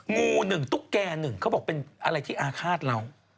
งูหนึ่งตุ๊กแก่หนึ่งเขาบอกเป็นอะไรที่อาฆาตเรา